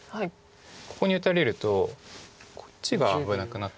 ここに打たれるとこっちが危なくなってくるので。